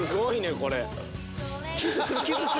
これ。